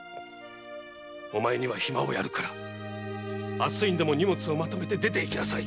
お前には暇をやるから明日にでも荷物をまとめて出ていきなさい。